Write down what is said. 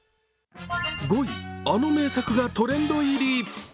５位、あの名作がトレンド入り。